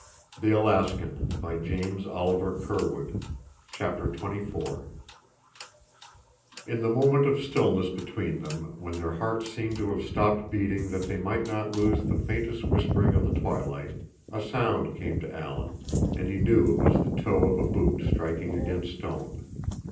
"They were not shadows. They were men!" CHAPTER XXIV In the moment of stillness between them, when their hearts seemed to have stopped beating that they might not lose the faintest whispering of the twilight, a sound came to Alan, and he knew it was the toe of a boot striking against stone.